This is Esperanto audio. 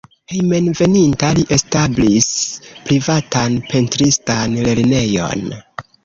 Hejmenveninta li establis privatan pentristan lernejon.